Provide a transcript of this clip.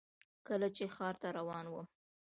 کله چې ښار ته روان وم .